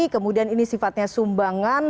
kemudian ini sifatnya sumbangan